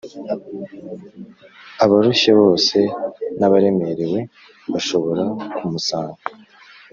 abarushye bose n’abaremerewe bashobora kumusanga